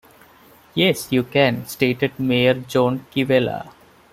Yes, you can, stated Mayor John Kivela.